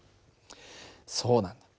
そうなんだ。